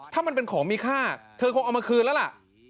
ถ้ามันเป็นของมีค่าเธอคงเอามาคืนแล้วล่ะ